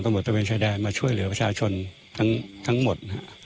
ของตลาดตะเบียนชายแดนมาช่วยเหลือประชาชนทั้งหมด